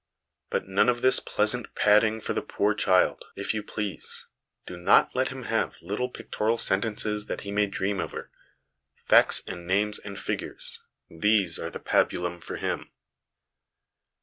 But none of this pleasant padding for the poor child, if you please ; do not let him have little pictorial sentences that he may dream over ; facts and names and figures these are the pabulum for him